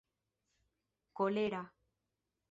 kolera